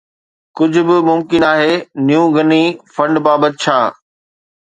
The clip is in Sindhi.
ڪجهه به ممڪن آهي نيو گني فنڊ بابت ڇا؟